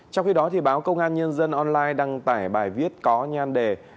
trong khi đó báo công an nhân dân online đăng tải bài viết có nhan đề